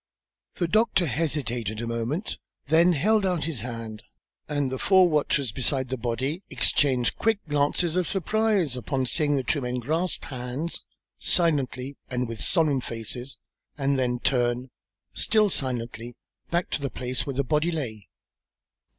The doctor hesitated a moment, then held out his hand, and the four watchers beside the body exchanged quick glances of surprise upon seeing the two men grasp hands, silently and with solemn faces, and then turn, still silently, back to the place where the body lay.